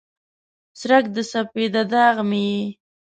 څرک د سپیده داغ مې یې